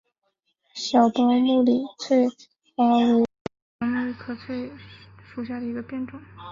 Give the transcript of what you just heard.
小苞木里翠雀花为毛茛科翠雀属下的一个变种。